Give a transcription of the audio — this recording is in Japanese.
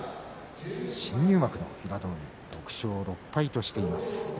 新入幕の平戸海６勝６敗としています。